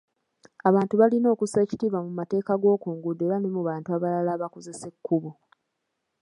Abantu balina okussa ekitiibwa mu mateeka g'okunguudo era ne mu bantu abalala abakozesa ekkubo.